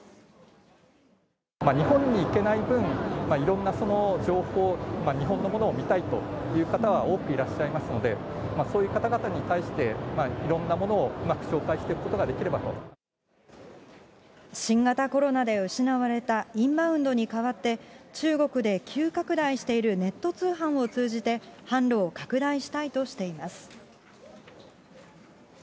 日本に行けない分、いろんな情報、日本のものを見たいという方は多くいらっしゃいますので、そういう方々に対して、いろんなものをうまく紹介していくことができればと。新型コロナで失われたインバウンドに代わって、中国で急拡大しているネット通販を通じて、販路を拡大したいとしています。